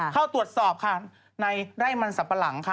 เข้าตรวจสอบค่ะในไร่มันสับปะหลังค่ะ